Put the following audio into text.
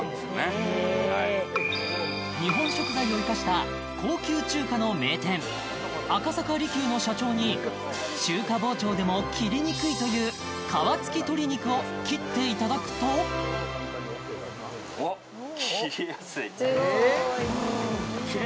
へえはい日本食材を生かした高級中華の名店赤坂璃宮の社長に中華包丁でも切りにくいというを切っていただくとすごいうんそれ！